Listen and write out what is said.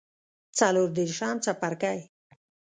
څلور دیرشم څپرکی